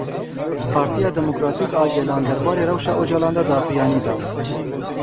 Partiya Demokratîk a Gelan derbarê rewşa Ocalan de daxuyanî da.